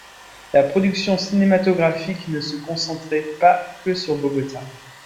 La production cinématographique ne se concentrait pas que sur Bogota.